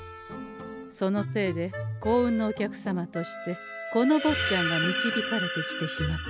そのせいで幸運のお客様としてこのぼっちゃんが導かれてきてしまったと。